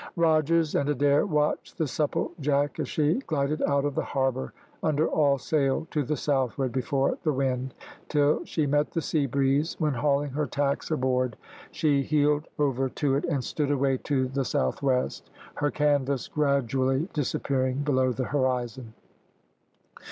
Rogers and Adair watched the Supplejack as she glided out of the harbour under all sail to the southward before the wind, till she met the sea breeze, when, hauling her tacks aboard, she heeled over to it, and stood away to the south west, her canvas gradually disappearing below the horizon.